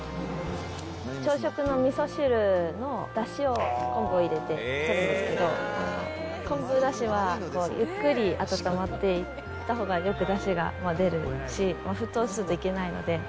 朝食のみそ汁のだしを、昆布を入れてとるんですけど、昆布だしは、ゆっくり温まっていったほうがよくだしが出るし、沸騰するといけないので。